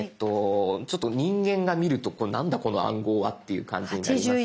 ちょっと人間が見ると何だこの暗号はって感じですけど。